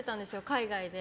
海外で。